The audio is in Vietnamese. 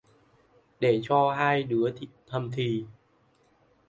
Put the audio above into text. Để cho hai đứa thầm thì